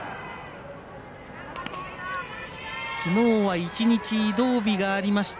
きのうは１日移動日がありました